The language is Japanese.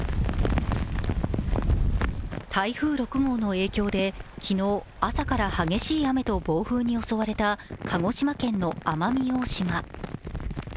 台風６号の影響で、昨日朝から激しい雨と暴風に襲われた鹿児島県の奄美大島。